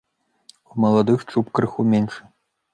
У маладых чуб крыху меншы.